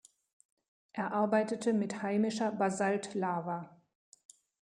Er arbeitete mit heimischer Basaltlava.